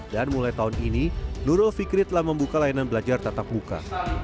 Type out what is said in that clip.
dan mulai tahun ini nurul fikri telah membuka layanan belajar tatap muka